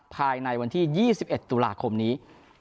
ภายในวันที่๒๑ตุลาคมนี้